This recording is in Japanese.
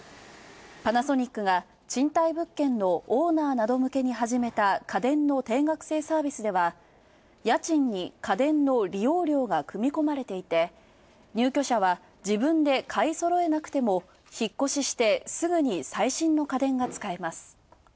パナソニックが賃貸物件のオーナーなど向けにはじめた家電の定額制サービスでは家賃に家電の利用料が組み込まれていて、入居者は自分で買い揃えなくても引越ししてすぐに最新の家電が使えます。